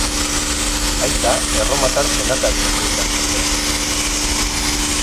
Aita erromatar senataria zeukan ordea.